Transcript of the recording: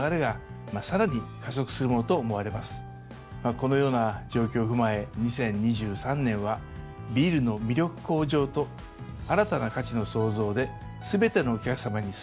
このような状況を踏まえ２０２３年は「ビールの魅力向上と新たな価値の創造で“すべてのお客さまに、最高の明日を。”」